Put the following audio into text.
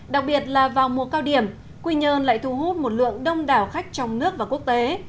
đặc biệt là vào mùa cao điểm quy nhơn lại thu hút một lượng đông đảo khách trong nước và quốc tế